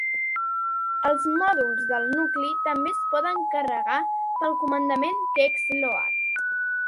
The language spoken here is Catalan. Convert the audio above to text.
Els mòduls del nucli també es poden carregar pel comandament kextload.